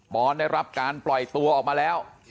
อนได้รับการปล่อยตัวออกมาแล้ว